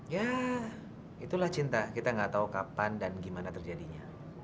ya itulah cinta kita gak tahu kapan dan gimana terjadinya